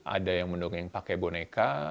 ada yang mendongeng pakai boneka